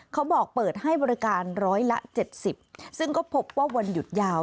เขาบอกเปิดให้บริการร้อยละ๗๐ซึ่งก็พบว่าวันหยุดยาว